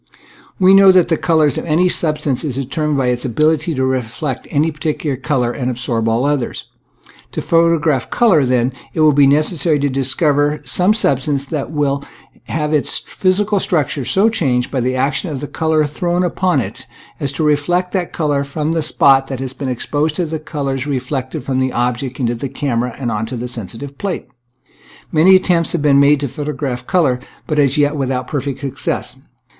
We know that the color of any substance is determined by its ability to reflect any par ticular color and absorb all others. To pho tograph color, then, it will be necessary to discover some substance that will have its physical structure so changed by the action of the color thrown upon it as to reflect that color from the spot that has been exposed to the colors reflected from the object into the camera and onto the sensitive plate. Many /]. Original from UNIVERSITY OF WISCONSIN Cbe J6ge. 213 attempts have been made to photograph color, but as yet without perfect success.